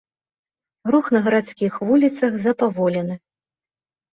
Рух на гарадскіх вуліцах запаволены.